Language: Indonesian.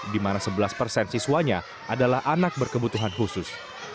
di mana sebelas persen siswanya adalah anak berkebutuhan khusus